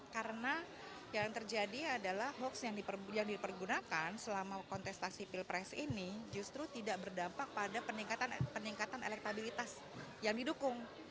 karena yang terjadi adalah hoax yang dipergunakan selama kontestasi pilpres ini justru tidak berdampak pada peningkatan elektabilitas yang didukung